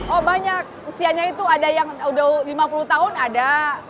oh banyak usianya itu ada yang udah lima puluh tahun ada